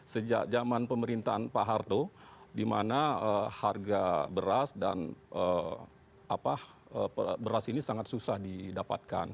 sejak zaman pemerintahan pak harto di mana harga beras dan beras ini sangat susah didapatkan